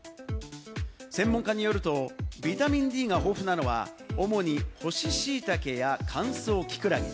専門家によると、ビタミンＤが豊富なのは主に干しシイタケや乾燥キクラゲ。